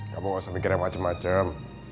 kamu nggak usah mikir yang macem macem